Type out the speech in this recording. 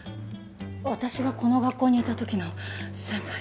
私がこの学校にいた時の先輩で。